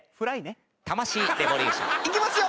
いきますよ。